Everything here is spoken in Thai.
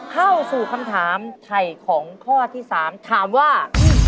เข้าสู่คำถามไถ่ของข้อที่๓ถามว่า